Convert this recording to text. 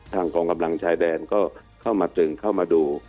กองกำลังชายแดนก็เข้ามาตึงเข้ามาดู